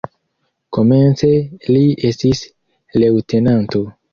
Komence li estis leŭtenanto.